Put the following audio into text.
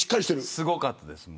すごかったです。